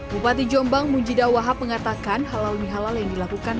bupati jombang munjidawahap mengatakan halal bihalal yang dilakukan